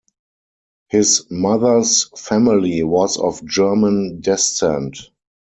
His mother's family was of German descent.